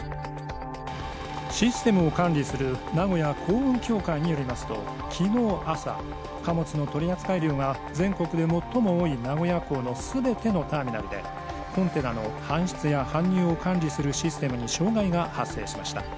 システムを管理する名古屋港運協会によりますと、昨日朝、貨物の取扱量が全国で最も多い名古屋港の全てのターミナルで、コンテナの搬出や搬入を管理するシステムに障害が発生しました。